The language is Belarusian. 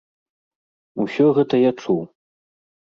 Усё гэта я чуў.